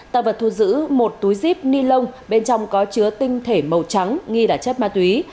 tăng vật thu giữ một túi zip ni lông bên trong có chứa tinh thể màu trắng nghi là chất ma túy